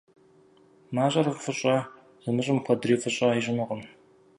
МащӀэр фӀыщӀэ зымыщӀым куэдри фӀыщӀэ ищӀынукъым.